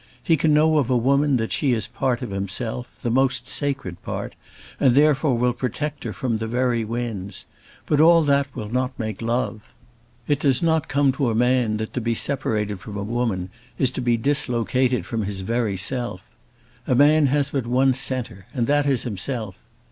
He can know of a woman that she is part of himself, the most sacred part, and therefore will protect her from the very winds. But all that will not make love. It does not come to a man that to be separated from a woman is to be dislocated from his very self. A man has but one centre, and that is himself.